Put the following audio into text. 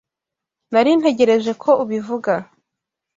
Nari ntegereje ko ubivuga.